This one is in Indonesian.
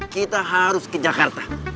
kita harus ke jakarta